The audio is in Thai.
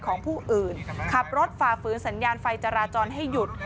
ของผู้อื่นขับรถฝ่าฝืนสัญญาณไฟจราจรให้หยุด